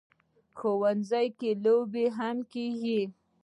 ښوونځی کې لوبې هم کېږي